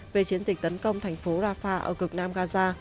về chiến dịch tấn công thành phố rafah ở cực nam gaza